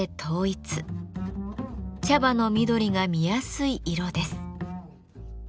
茶葉の緑が見やすい色です。